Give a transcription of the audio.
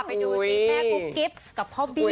ไปดูสิแม่กุ๊กกิ๊บกับพ่อบี้